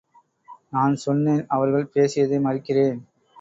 நான் சொன்னேன் அவர்கள் பேசியதை மறுக்கிறேன்.